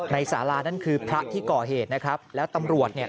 สารานั่นคือพระที่ก่อเหตุนะครับแล้วตำรวจเนี่ย